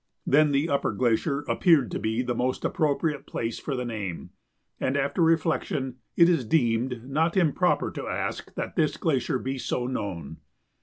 Then the upper glacier appeared to be the most appropriate place for the name, and, after reflection, it is deemed not improper to ask that this glacier be so known.